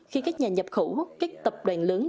khi các nhà nhập khẩu các tập đoàn lớn